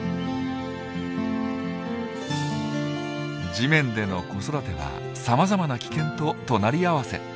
地面での子育てはさまざまな危険と隣り合わせ。